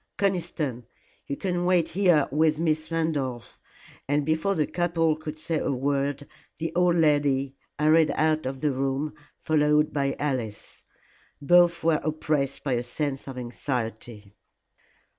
Conniston, you can wait here with Miss Randolph," and before the couple could say a word, the old lady hurried out of the room, followed by Alice. Both were oppressed by a sense of anxiety.